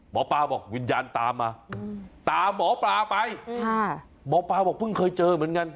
หมอปลาบอกวิญญาณตามมาตามหมอปลาไปหมอปลาบอกเพิ่งเคยเจอเหมือนกัน